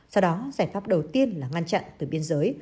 do đó giải pháp đầu tiên là ngăn chặn từ biên giới